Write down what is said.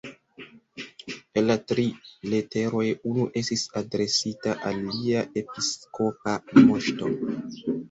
El la tri leteroj unu estis adresita al Lia Episkopa Moŝto.